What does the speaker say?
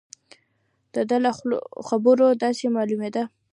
د ده له خبرو داسې معلومېده.